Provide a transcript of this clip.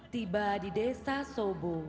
tiba di desa sobo